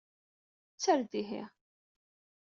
Tter-d, ihi!